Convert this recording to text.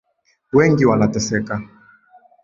Wengi wanateseka.